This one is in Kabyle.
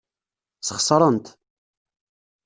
Sxeṣren-t.